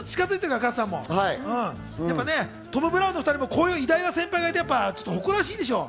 トム・ブラウンのお２人もこういう偉大な先輩がいれば誇らしいでしょ？